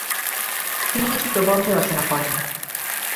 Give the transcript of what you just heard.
তিনি কিছু প্রবন্ধ রচনা করেন।